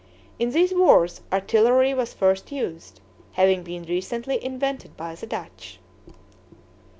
In these wars, artillery was first used, having been recently invented by the Dutch.